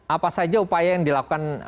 apa saja upaya yang dilakukan